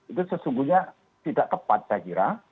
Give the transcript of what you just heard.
itu sesungguhnya tidak tepat saya kira